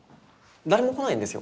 誰も来ないんですよ